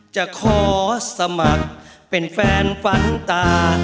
จะขอสมัครเป็นแฟนฝันตา